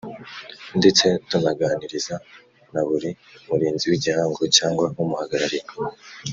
ndetse tunaganiriza na buri Murinzi w Igihango cyangwa umuhagarariye